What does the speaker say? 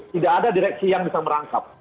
tidak ada direksi yang bisa merangkap